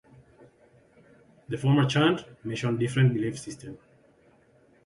The former chant mention different belief system.